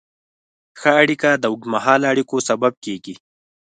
ښه اړیکه د اوږدمهاله اړیکو سبب کېږي.